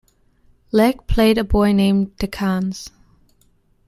Leach played a boy named Decenz.